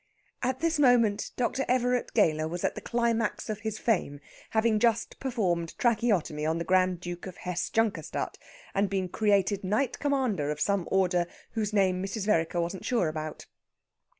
At this moment Dr. Everett Gayler was at the climax of his fame, having just performed tracheotomy on the Grand Duke of Hesse Junkerstadt, and been created Knight Commander of some Order whose name Mrs. Vereker wasn't sure about.